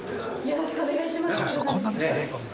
よろしくお願いします。